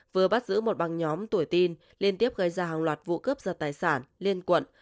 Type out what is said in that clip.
vừa bắt giữ một băng nhóm tuổi tin liên tiếp gây ra hàng loạt vụ cướp giật tài sản liên quận